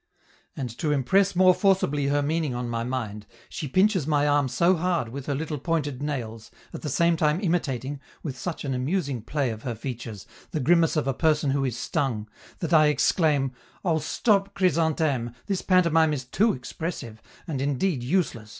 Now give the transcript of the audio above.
And, to impress the more forcibly her meaning on my mind, she pinches my arm so hard with her little pointed nails, at the same time imitating, with such an amusing play of her features, the grimace of a person who is stung, that I exclaim: "Oh! stop, Chrysantheme, this pantomime is too expressive, and indeed useless!